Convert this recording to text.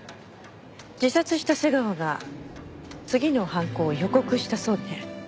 自殺した瀬川が次の犯行を予告したそうね。